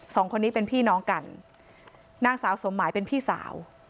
สองคนนี้เป็นพี่น้องกันนางสาวสมหมายเป็นพี่สาว